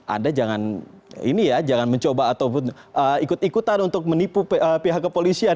anda jangan mencoba atau ikut ikutan untuk menipu pihak kepolisian